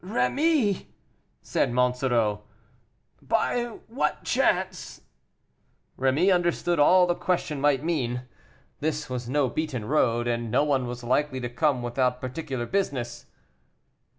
"Rémy," said Monsoreau, "by what chance " Rémy understood all the question might mean. This was no beaten road, and no one was likely to come without particular business.